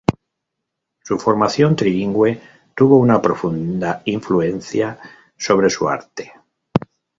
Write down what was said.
Su formación trilingüe tuvo una profunda influencia sobre su arte.